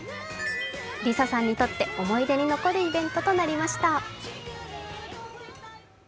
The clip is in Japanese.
ＬｉＳＡさんにとって思い出に残るイベントとなりました。